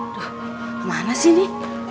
aduh kemana sih ini